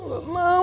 aku gak mau